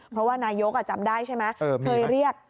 เพราะว่านายกอ่ะจำได้ใช่ไหม